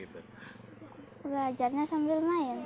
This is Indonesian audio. belajarnya sambil main